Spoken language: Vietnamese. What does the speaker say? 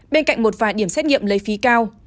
bên cạnh một vài điểm xét nghiệm lấy phí cao